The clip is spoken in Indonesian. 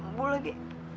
nggak sembuh sembuh lagi